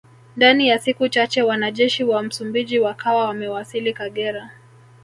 Ndani ya siku chache wanajeshi wa Msumbiji wakawa wamewasili Kagera